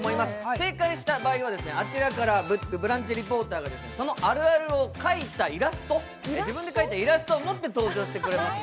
正解した場合はあちらからブランチリポーターがそのあるあるを描いたイラストを持って登場してくれます。